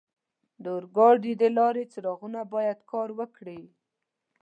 د اورګاډي د لارې څراغونه باید کار وکړي.